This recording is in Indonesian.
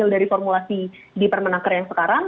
dari formulasi di permenaker yang sekarang